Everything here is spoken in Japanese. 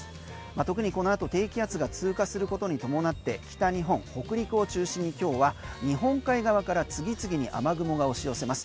特にこのあと低気圧が通過することに伴って北日本北陸を中心に今日は日本海側から次々に雨雲が押し寄せます。